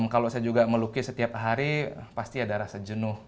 kalau saya juga melukis setiap hari pasti ada rasa jenuh